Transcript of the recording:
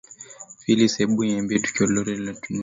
phylis hebu niambie tukio lote la tunisia